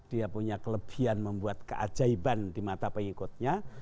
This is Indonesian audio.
dia punya kelebihan membuat keajaiban di mata pengikutnya